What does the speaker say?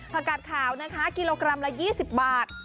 ประกาศข่าวนะคะกิโลกรัมละ๒๐บาท